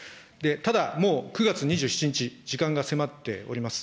ただ、もう、９月２７日、時間が迫っております。